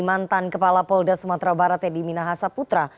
mantan kepala polda sumatera barat teddy minahasa putra